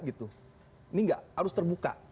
gitu ini enggak harus terbuka